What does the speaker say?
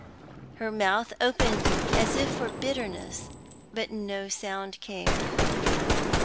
Her mouth opened as if for bitterness; but no sound came.